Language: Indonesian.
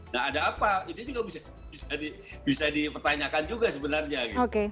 nah ada apa itu juga bisa dipertanyakan juga sebenarnya